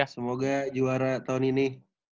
semoga juara tahun ini